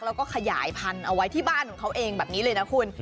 แล้วก็ขยายพันธุ์เอาไว้ที่บ้านของเขาเองแบบนี้เลยนะคุณ